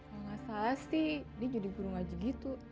gak masalah sih dia jadi burung aja gitu